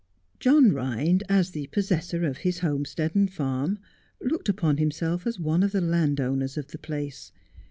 John Bhind, as the possessor of his homestead and farm, looked upon himself as one of the landowners of the place.